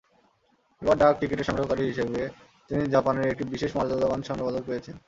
এবার ডাক-টিকেটের সংগ্রহকারী হিসেবে তিনি জাপানের একটি বিশেষ মর্যাদাবান স্বর্ণপদক পেয়েছেন।